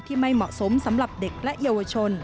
ไม่เหมาะสมสำหรับเด็กและเยาวชน